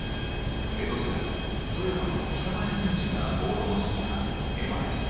江戸時代富山の北前船主が奉納した絵馬です。